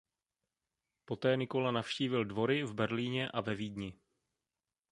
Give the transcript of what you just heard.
Poté Nikola navštívil dvory v Berlíně a ve Vídni.